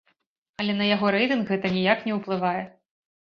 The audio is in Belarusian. Але на яго рэйтынг гэта ніяк не ўплывае.